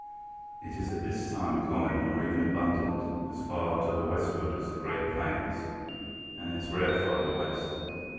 It is at this time common or even abundant as far to the westward as the great plains, and is rare farther west.